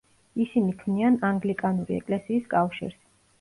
ისინი ქმნიან ანგლიკანური ეკლესიის კავშირს.